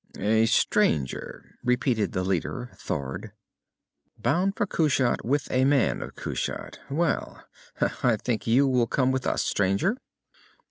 "A stranger," repeated the leader, Thord. "Bound for Kushat, with a man of Kushat. Well. I think you will come with us, stranger."